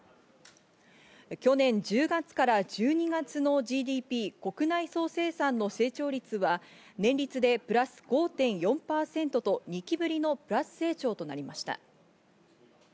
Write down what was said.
去年１０月から１２月のＧＤＰ＝国内総生産の成長率は年率でプラス５．４％と２期ぶりのプラス成長となりました。